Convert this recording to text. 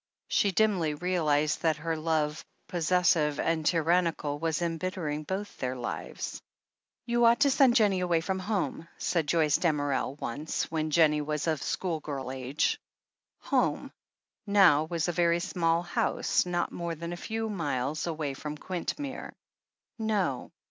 She dimly realized that her love, possessive and tyran nical, was embittering both their lives. "You ought to send Jennie away from home," said Joyce Damerel once, when Jennie was of schoolgirl age. "Home" now was a very small house, not more than a few miles away from Quintmere. "No."